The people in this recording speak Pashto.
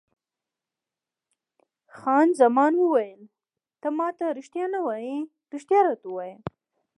خان زمان وویل: ته ما ته رښتیا نه وایې، رښتیا راته ووایه.